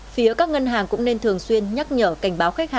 phía các ngân hàng cũng nên thường xuyên nhắc nhở cảnh báo khách hàng